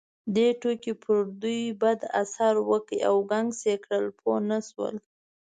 دې ټوکې پر دوی بد تاثیر وکړ او ګنګس یې کړل، پوه نه شول.